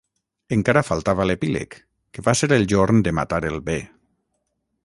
Encara faltava l'epíleg, que va ser el jorn de matar el bé.